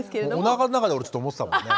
おなかの中で俺思ってたもんね。